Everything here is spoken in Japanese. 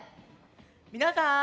みなさん